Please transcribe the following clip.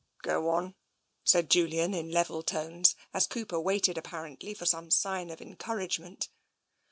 " Go on," said Julian in level tones, as Cooper waited, apparently for some sign of encouragement.